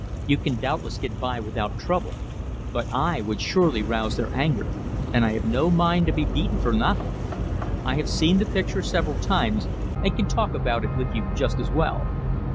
"You can doubtless get by without trouble; but I would surely rouse their anger, and I have no mind to be beaten for nothing. I have seen the picture several times, and can talk about it with you just as well."